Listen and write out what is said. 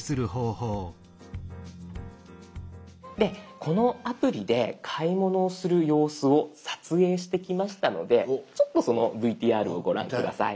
でこのアプリで買い物をする様子を撮影してきましたのでちょっとそのＶＴＲをご覧下さい。